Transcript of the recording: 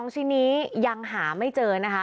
๒ชิ้นนี้ยังหาไม่เจอนะคะ